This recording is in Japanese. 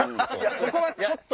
そこはちょっと。